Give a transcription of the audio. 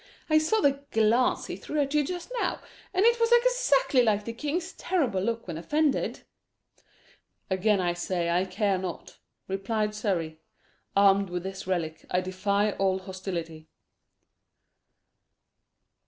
"I saw the glance he threw at you just now, and it was exactly like the king's terrible look when offended." "Again I say I care not," replied Surrey. "Armed with this relic, I defy all hostility."